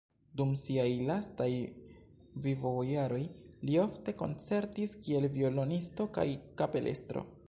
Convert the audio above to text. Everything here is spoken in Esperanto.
Dum siaj lastaj vivojaroj li ofte koncertis kiel violonisto kaj kapelestro.